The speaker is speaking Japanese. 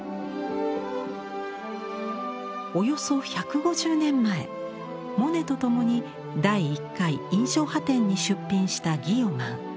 およそ１５０年前モネと共に「第１回印象派展」に出品したギヨマン。